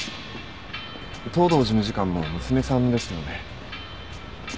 藤堂事務次官の娘さんですよね。